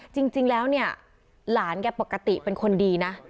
จริงแล้วเนี่ยหลานแกปกติเป็นคนดีนะ